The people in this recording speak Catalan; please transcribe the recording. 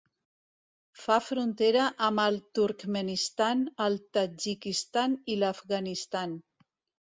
Fa frontera amb el Turkmenistan, el Tadjikistan i l'Afganistan.